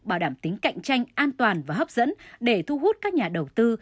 bảo đảm tính cạnh tranh an toàn và hấp dẫn để thu hút các nhà đầu tư